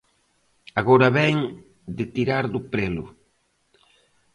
Agora vén de tirar do prelo.